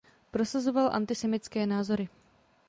Prosazoval antisemitské názory.